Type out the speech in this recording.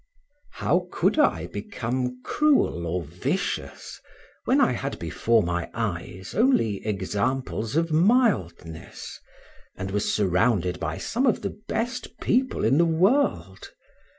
How could I become cruel or vicious, when I had before my eyes only examples of mildness, and was surrounded by some of the best people in the world?